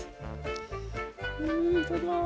うんいただきます。